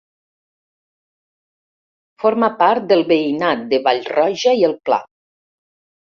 Forma part del veïnat de Vallroja i el Pla.